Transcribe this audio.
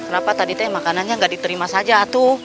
kenapa tadi makanannya tidak diterima saja atu